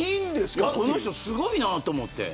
この人すごいなと思って。